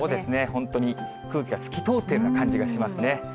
本当に空気が透き通ったような感じがしますね。